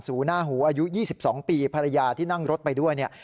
ูหน้าหูอายุ๒๒ปีภรรยาที่นั่งรถไปด้วยเนี่ย